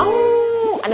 ane berubahin segalanya